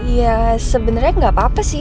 ya sebenernya gak apa apa sih